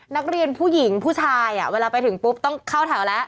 นักเรียนผู้หญิงผู้ชายเวลาไปถึงปุ๊บต้องเข้าแถวแล้ว